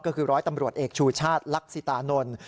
ก็คือร้อยตำรวจเอกชูชาติลักษิตานนท์